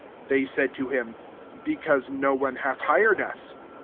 ^ 7 They said to him, ' Because no one hath hir ed us.'